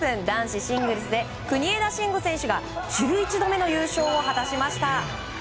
男子シングルスで国枝慎吾選手が１１度目の優勝を果たしました。